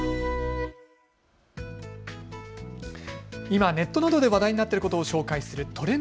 今、ネットなどで話題になっていることを紹介するＴｒｅｎｄＰｉｃｋｓ。